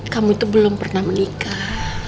kamu itu belum pernah menikah